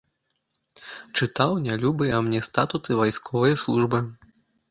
Чытаў нялюбыя мне статуты вайсковае службы.